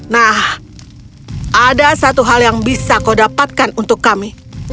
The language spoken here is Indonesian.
nah ada satu hal yang bisa kau dapatkan untuk kami